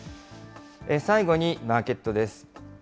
最後にマーケットです。